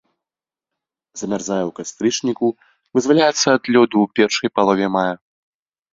Замярзае ў кастрычніку, вызваляецца ад лёду ў першай палове мая.